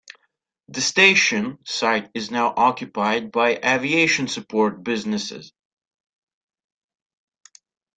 The station site is now occupied by aviation support businesses.